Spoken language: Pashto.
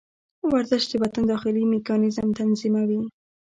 ورزش د بدن داخلي میکانیزم تنظیموي.